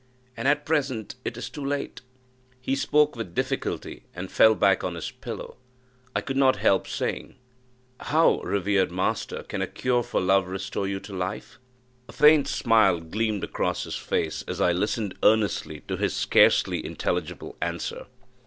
and at present it is too late." He spoke with difficulty, and fell back on his pillow. I could not help saying, "How, revered master, can a cure for love restore you to life?" A faint smile gleamed across his face as I listened earnestly to his scarcely intelligible answer.